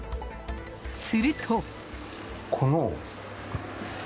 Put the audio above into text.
すると。